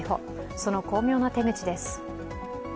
その巧妙な手口です。